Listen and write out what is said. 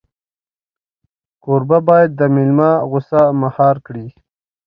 کوربه باید د مېلمه غوسه مهار کړي.